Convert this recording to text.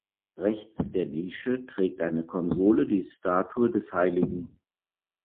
Rechts der Nische trägt eine Konsole die Statue des hl.